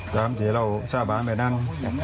สามผิดเราสาบานมานั่ง